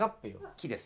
木です。